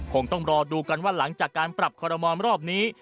คงต้องรอดูกันว่าหลังจากการปรับคอรมอลรอบนี้